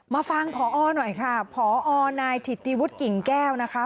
มาฟังพอหน่อยค่ะพอนายถิติวุฒิกิ่งแก้วนะคะ